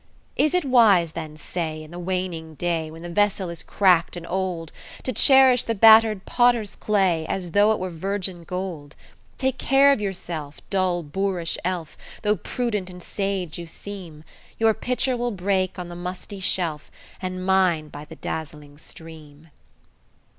"Is it wise, then, say, in the waning day, When the vessel is crack'd and old, To cherish the battered potter's clay As though it were virgin gold? Take care of yourself, dull, boorish elf, Though prudent and sage you seem; Your pitcher will break on the musty shelf, And mine by the dazzling stream."